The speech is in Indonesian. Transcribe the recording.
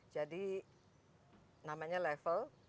jadi namanya level